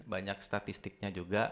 banyak statistiknya juga